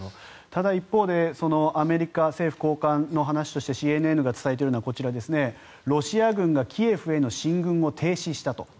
ただ一方でアメリカ政府高官の話としてＣＮＮが伝えているのはロシア軍がキエフへの進軍を停止したと。